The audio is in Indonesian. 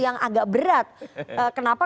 yang agak berat kenapa